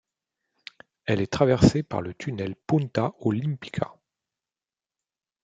Elle est traversée par le tunnel Punta Olímpica.